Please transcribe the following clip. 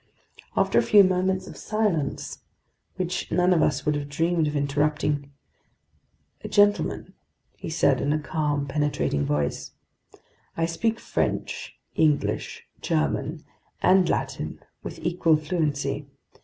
After a few moments of silence, which none of us would have dreamed of interrupting: "Gentlemen," he said in a calm, penetrating voice, "I speak French, English, German, and Latin with equal fluency.